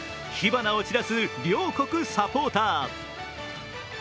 火花を散らす両国サポーター。